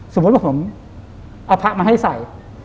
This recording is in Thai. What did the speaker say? สมมุติว่าผมเอาพระมาให้ใส่